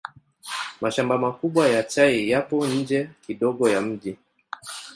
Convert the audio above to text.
Mashamba makubwa ya chai yapo nje kidogo ya mji.